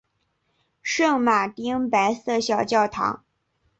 圣马丁白色小教堂。